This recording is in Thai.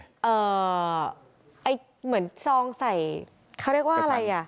ไอ้เหมือนซองใส่เขาเรียกว่าอะไรอ่ะ